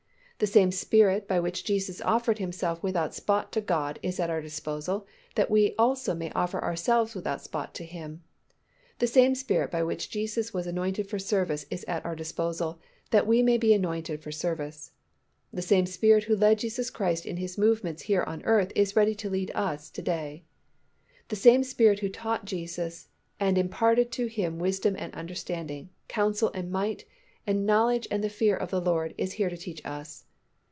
The same Spirit by which Jesus offered Himself without spot to God is at our disposal that we also may offer ourselves without spot to Him. The same Spirit by which Jesus was anointed for service is at our disposal that we may be anointed for service. The same Spirit who led Jesus Christ in His movements here on earth is ready to lead us to day. The same Spirit who taught Jesus and imparted to Him wisdom and understanding, counsel and might, and knowledge and the fear of the Lord is here to teach us.